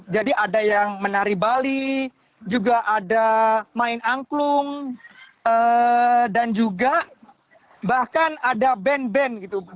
jadi ada yang menari bali juga ada main angklung dan juga bahkan ada band band